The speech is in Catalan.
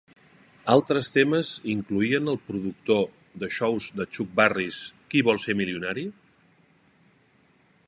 Altres temes incloïen el productor de xous de Chuck Barris, Qui vol ser milionari?